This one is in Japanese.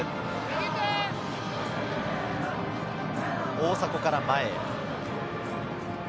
大迫から前へ。